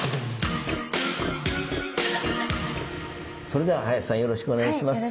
それでは林さんよろしくお願いします。